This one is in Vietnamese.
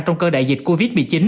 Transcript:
trong cơn đại dịch covid một mươi chín